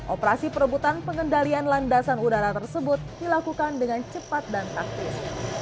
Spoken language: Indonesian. operasi perebutan pengendalian landasan udara tersebut dilakukan dengan cepat dan taktis